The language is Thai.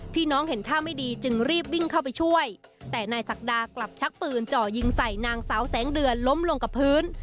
น้องเห็นท่าไม่ดีจึงรีบวิ่งเข้าไปช่วยแต่นายศักดากลับชักปืนจ่อยิงใส่นางสาวแสงเดือนล้มลงกับพื้น